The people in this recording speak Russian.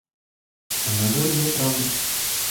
Она говорила правду.